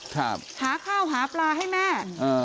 หาข้าวหาปลาให้แม่เออ